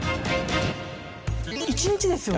１日ですよね？